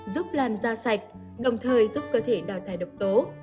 giúp làn da sạch đồng thời giúp cơ thể đào thải độc tố